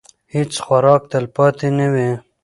هیڅ خوراک تلپاتې نه وي.